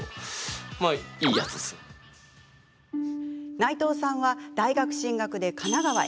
内藤さんは大学進学で神奈川へ。